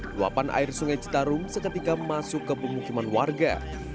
luapan air sungai citarum seketika masuk ke pemukiman warga